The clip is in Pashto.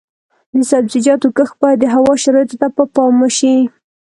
د سبزیجاتو کښت باید د هوا شرایطو ته په پام وشي.